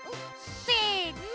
せの！